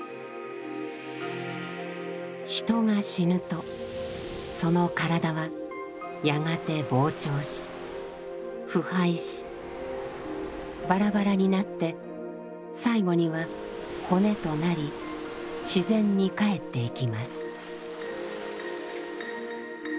人が死ぬとその身体はやがて膨張し腐敗しバラバラになって最後には骨となり自然に返っていきます。